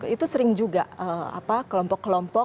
itu sering juga kelompok kelompok